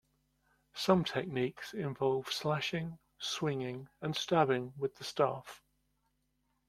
Some techniques involve slashing, swinging, and stabbing with the staff.